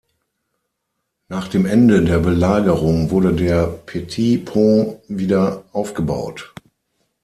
Nach dem Ende der Belagerung wurde der Petit Pont wieder aufgebaut.